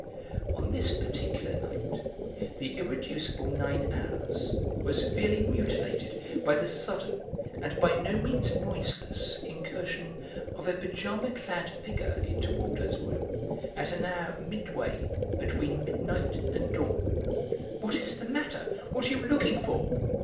On this particular night the irreducible nine hours were severely mutilated by the sudden and by no means noiseless incursion of a pyjama clad figure into Waldo's room at an hour midway between midnight and dawn. "What is the matter? What are you looking for?"